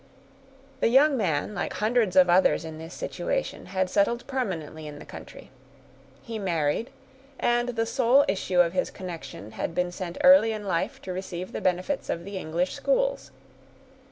The young man, like hundreds of others in this situation, had settled permanently in the country. He married; and the sole issue of his connection had been sent early in life to receive the benefits of the English schools.